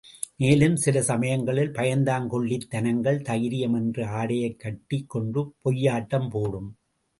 மேலும் சில சமயங்களில் பயந்தாங்கொள்ளித் தனங்கள், தைரியம் என்ற ஆடையைக் கட்டிக் கொண்டு பொய்யாட்டம் போடும்.